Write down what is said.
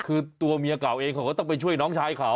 คือตัวเมียเก่าเองเขาก็ต้องไปช่วยน้องชายเขา